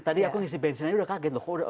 tadi aku ngisi bensin aja udah kaget loh